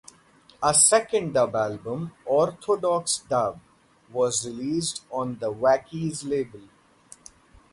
A second dub album, "Orthodox Dub" was released on the Wackies label.